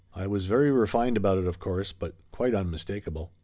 I was very refined about it, of course, but quite unmistakable.